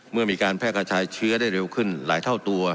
เมื่อมีการแพร่กระจายเชื้อได้เร็วขึ้นหลายเท่าตัว